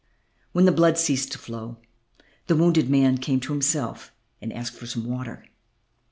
When the blood ceased to flow, the wounded man came to himself and asked for some water.